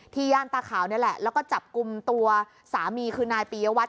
ย่านตาขาวนี่แหละแล้วก็จับกลุ่มตัวสามีคือนายปียวัตร